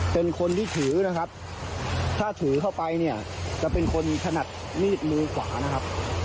เป็นคนที่ถือนะครับถ้าถือเข้าไปเนี่ยจะเป็นคนถนัดมีดมือขวานะครับ